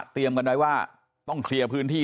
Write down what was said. เตรียมกันด้วยว่าต้องเคลียร์พื้นที่